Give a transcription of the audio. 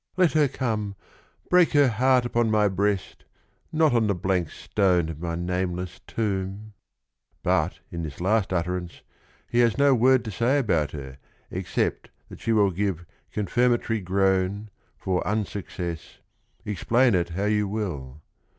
"Let her come, break her heart upon my breast, Not on the blank stone of my nameless tomb." But in this last utterance he has no word to say about her except that she will give " confirmatory groan, for unsuccess, explain it how you will."